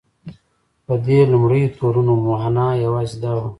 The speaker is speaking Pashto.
د دې لومړیو تورونو معنی یوازې دا وه.